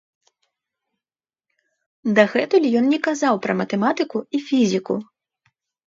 Дагэтуль ён не казаў пра матэматыку і фізіку.